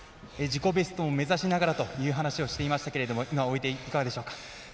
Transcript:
自己ベストを目指しながらという話をしていましたけれども終えていかがでしょうか？